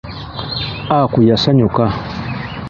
Aku yasanyuka.